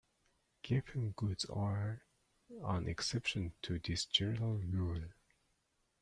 Giffen goods are an exception to this general rule.